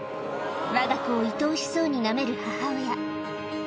わが子をいとおしそうになめる母親